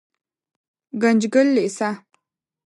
ګنجګل لېسه